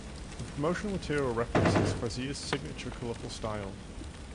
The promotional material references Frazier's "signature colorful style".